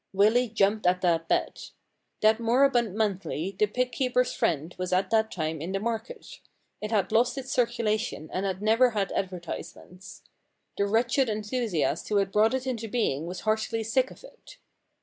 Willy jumped at that bet. That moribund monthly. The Fig Keepers' Friend was at that time in the market. It had lost its circulation and had never had advertise ments. The wretched enthusiast who had brought it into being was heartily sick of it.